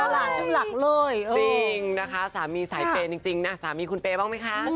จริงนะคะสามีสายเปรย์จริงนะสามีคุณเปรย์บ้างไหมคะ